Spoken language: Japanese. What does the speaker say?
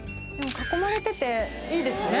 囲まれてていいですね